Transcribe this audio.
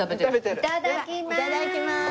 いただきまーす！